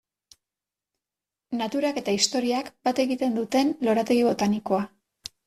Naturak eta historiak bat egiten duten lorategi botanikoa.